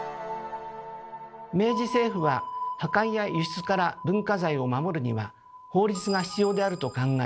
明治政府は破壊や輸出から文化財を守るには法律が必要であると考え